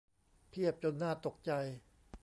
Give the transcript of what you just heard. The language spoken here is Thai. เพียบจนน่าตกใจ